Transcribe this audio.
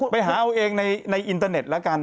ไปหาเอาเองในอินเตอร์เน็ตแล้วกัน